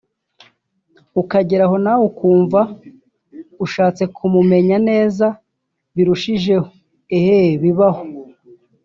ukagera aho nawe ukumva ushatse kumumenya neza birushijeho eeeh bibaho